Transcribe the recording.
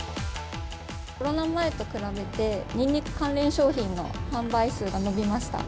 コロナ前と比べて、ニンニク関連商品の販売数が伸びました。